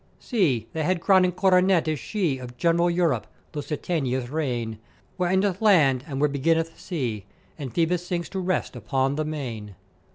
"See, the head crowning coronet is she of general Europe, Lusitania's reign, where endeth land and where beginneth sea, and Phoebus sinks to rest upon the main.